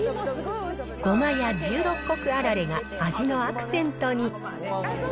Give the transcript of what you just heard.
ゴマや十六穀あられが味のアクセントに。